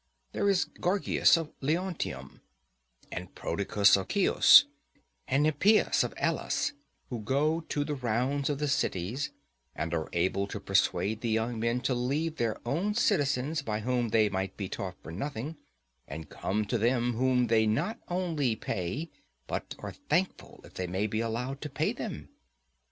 There is Gorgias of Leontium, and Prodicus of Ceos, and Hippias of Elis, who go the round of the cities, and are able to persuade the young men to leave their own citizens by whom they might be taught for nothing, and come to them whom they not only pay, but are thankful if they may be allowed to pay them.